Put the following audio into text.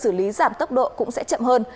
xử lý giảm tốc độ cũng sẽ chậm hơn